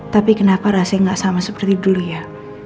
tapi kenapa rasa gak sama seperti dulu ya